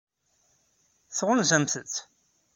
Tɣunzamt-tt?